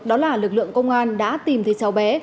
đó là lực lượng công an đã tìm thấy cháu bé